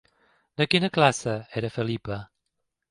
De quina classe era Felipa?